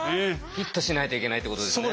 フィットしないといけないってことですね。